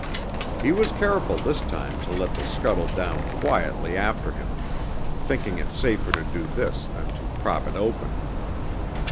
He was careful this time to let the scuttle down quietly after him, thinking it safer to do this than to prop it open.